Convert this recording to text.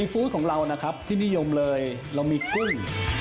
ซีฟู้ดของเราที่นิยมเลยเรามีกุ้ง